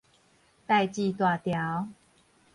代誌大條